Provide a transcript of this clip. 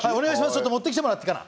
ちょっと持ってきてもらっていいかな。